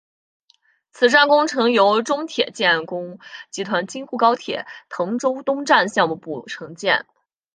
此站工程由中铁建工集团京沪高铁滕州东站项目部承建。